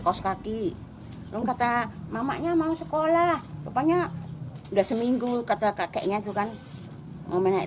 kaos kaki dong kata mamanya mau sekolah banyak udah seminggu kata kakeknya tuh kan mau menaik